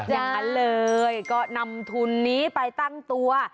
อย่างนั้นเลยก็นำทุนนี้ไปตั้งตัว